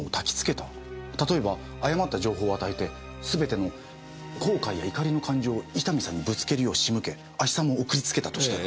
例えば誤った情報を与えてすべての後悔や怒りの感情を伊丹さんにぶつけるよう仕向け亜ヒ酸も送りつけたとしたら。